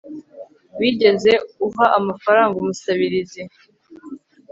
wigeze uha amafaranga umusabirizi